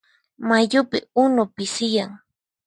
Mayupi unu pisiyan.